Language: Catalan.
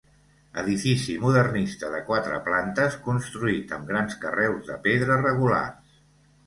Edifici modernista de quatre plantes construït amb grans carreus de pedra regulars.